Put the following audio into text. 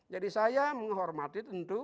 jadi saya menghormati tentu